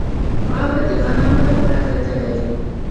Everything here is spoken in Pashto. واوره د غنمو لپاره ګټه لري.